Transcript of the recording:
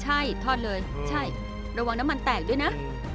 ใช่ทอดเลยใช่ระวังน้ำมันแตกด้วยนะ